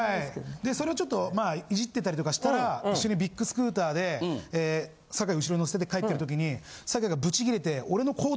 でそれをちょっとイジってたりとかしたら一緒にビッグスクーターで坂井後ろに乗せてて帰ってる時に坂井がブチギレて。